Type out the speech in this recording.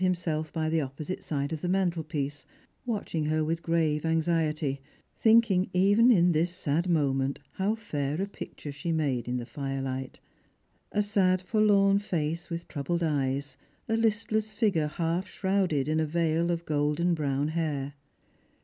himself by the opposite side of the mantelpiece, watching her with grave anxiety, thinking even in this sad moment how fair a picture si.!*, made in the firelight, a sad forlorn face with troubled eyes, a hstless figure half shrouded in a veil of golden brown hair.